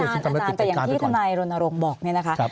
อาจารย์แต่อย่างที่ทนายรณรงค์บอกเนี่ยนะคะ